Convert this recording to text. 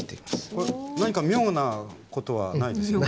これ何か妙なことはないですよね？